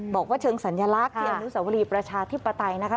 บอกว่าเชิงสัญลักษณ์ที่อนุสวรีประชาธิปไตยนะคะ